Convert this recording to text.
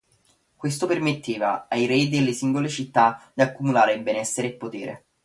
Questo permetteva ai re delle singole città di accumulare benessere e potere.